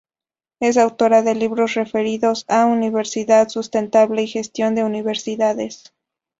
Es autora de libros referidos a Universidad Sustentable y Gestión de Universidades.